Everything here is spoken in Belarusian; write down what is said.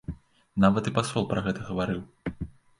Нават і пасол пра гэта гаварыў.